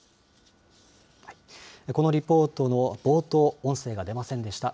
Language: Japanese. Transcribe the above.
このリポートの冒頭、音声が出ませんでした。